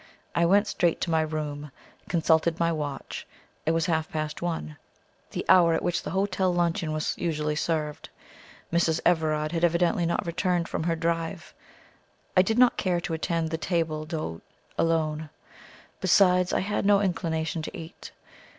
I went straight to my own room. I consulted my watch; it was half past one, the hour at which the hotel luncheon was usually served. Mrs. Everard had evidently not returned from her drive. I did not care to attend the table d'hote alone; besides, I had no inclination to eat.